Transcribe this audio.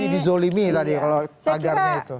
psi dizolimi tadi kalau agarnya itu